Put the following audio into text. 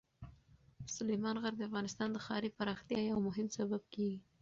سلیمان غر د افغانستان د ښاري پراختیا یو مهم سبب کېږي.